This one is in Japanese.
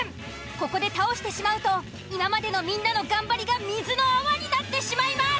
ここで倒してしまうと今までのみんなの頑張りが水の泡になってしまいます。